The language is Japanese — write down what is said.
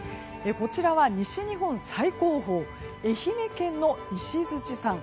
こちらは西日本最高峰愛媛県の石鎚山。